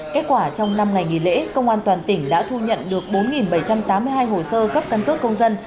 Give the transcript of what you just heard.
kết quả trong năm ngày nghỉ lễ công an toàn tỉnh đã thu nhận được bốn bảy trăm tám mươi hai hồ sơ cấp căn cước công dân